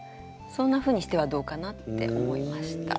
そんなふうにしてはどうかなって思いました。